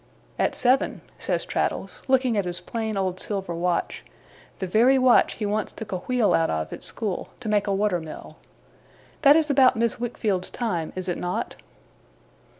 'At seven,' says Traddles, looking at his plain old silver watch the very watch he once took a wheel out of, at school, to make a water mill. 'That is about Miss Wickfield's time, is it not?